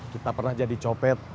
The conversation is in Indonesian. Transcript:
kita pernah jadi copet